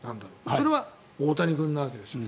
それは大谷君なわけですよ。